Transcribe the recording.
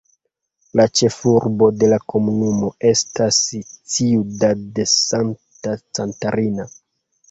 La ĉefurbo de la komunumo estas Ciudad Santa Catarina.